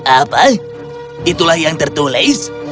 apa itulah yang tertulis